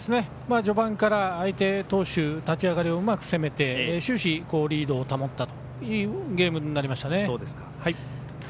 序盤から相手投手、立ち上がりをうまく攻めて終始リードを保ったというゲームになりましたね。